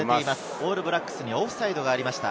オールブラックスにオフサイドがありました。